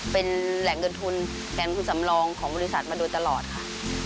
เป็นแหล่งเงินทุนแทนคุณสำรองของบริษัทมาโดยตลอดค่ะ